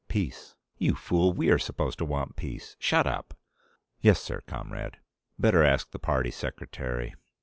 Peace." "You fool! We are supposed to want peace. Shut up!" "Yes, sir. Comrade." "Better ask the party secretary."